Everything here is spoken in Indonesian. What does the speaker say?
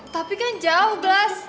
tapi kan jauh blas